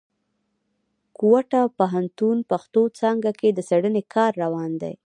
کوټه پوهنتون پښتو څانګه کښي د څېړني کار روان دی.